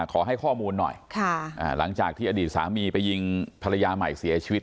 ขอให้ข้อมูลหน่อยหลังจากที่อดีตสามีไปยิงภรรยาใหม่เสียชีวิต